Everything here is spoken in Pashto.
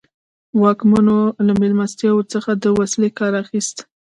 واکمنو له مېلمستیاوو څخه د وسیلې کار اخیست.